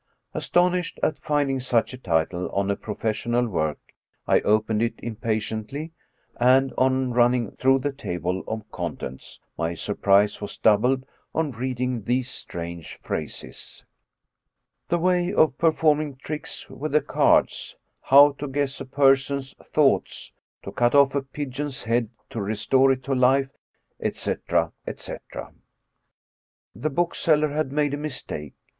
Astonished at ftnding such a title on a professional work, I opened it im 203 True Stories of Modern Magic patiently, and, on running through the table of contents, my surprise was doubled on reading these strange phrases : The way ef performing tricks with the cards — How to guess a person's thoughts — To cut off a pigeon's head, to restore it to life, etc., etc. The bookseller had made a mistake.